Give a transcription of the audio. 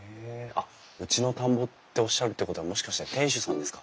あっうちの田んぼっておっしゃるってことはもしかして店主さんですか？